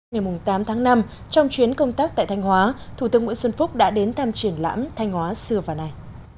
ngày tám tháng năm trong chuyến công tác tại thanh hóa thủ tướng nguyễn xuân phúc đã đến thăm triển lãm thanh hóa xưa và nay